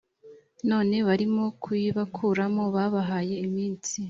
none barimo kuyibakuramo babahaye iminsi